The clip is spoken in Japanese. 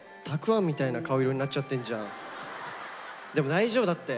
でも大丈夫だって。